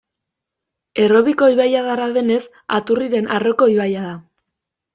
Errobiko ibaiadarra denez, Aturriren arroko ibaia da.